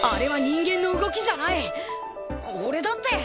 俺だって！